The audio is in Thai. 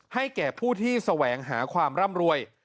ให้แก่ผู้ที่แสวงหาความร่ำรวย